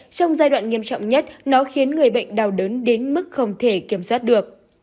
trong giai đoạn nghiêm trọng nhất nó khiến người bệnh đào đớn đến mức không thể kiểm soát được